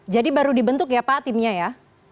jadi baru dibentuk ya pak timnya ya